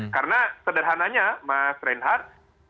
karena sederhananya mas reinhardt